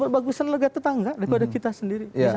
bagusan lega tetangga daripada kita sendiri